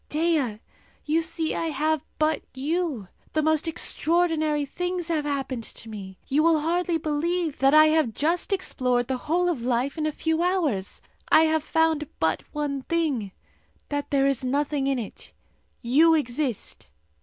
Dea! you see I have but you! The most extraordinary things have happened to me. You will hardly believe that I have just explored the whole of life in a few hours! I have found out one thing that there is nothing in it! You exist!